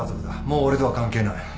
もう俺とは関係ない。